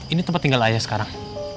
ini tempat tinggal ayah sekarang